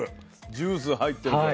ジュース入ってるから。